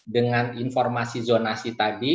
dengan informasi zonasi tadi